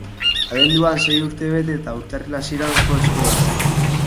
Abenduan sei urte bete, eta urtarril hasieran, jo eskolara.